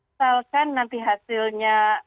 misalkan nanti hasilnya